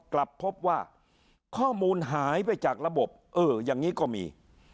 กลับพบว่าข้อมูลหายไปจากระบบเอออย่างนี้ก็มี